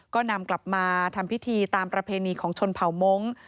ก็นำกลับมาทำพิธีตามประเพณีของชนเผ่ามงค์